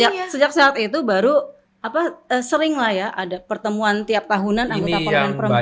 ya sejak saat itu baru sering lah ya ada pertemuan tiap tahunan anggota parlemen perempuan